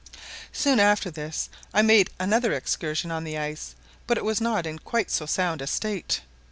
Soon after this I made another excursion on the ice, but it was not in quite so sound a state.